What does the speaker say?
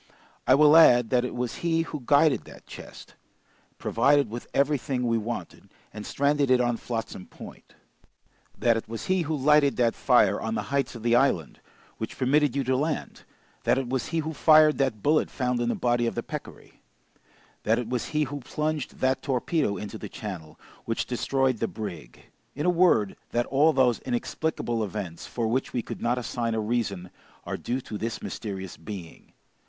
I will add that it was he who guided that chest, provided with everything we wanted, and stranded it on Flotsam Point; that it was he who lighted that fire on the heights of the island, which permitted you to land; that it was he who fired that bullet found in the body of the peccary; that it was he who plunged that torpedo into the channel, which destroyed the brig; in a word, that all those inexplicable events, for which we could not assign a reason, are due to this mysterious being.